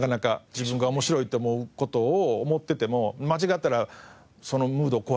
自分が面白いって思う事を思っていても間違ったらそのムード壊すし。